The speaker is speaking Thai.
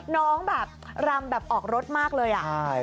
น้องแบบรำแบบออกรถมากเลยอ่ะ